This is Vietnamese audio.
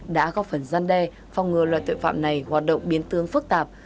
đã góp phần gian đe phòng ngừa loại tội phạm này hoạt động biến tương phức tạp